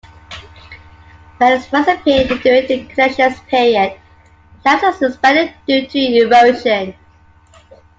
Valleys first appeared during the Cretaceous period and have since expanded due to erosion.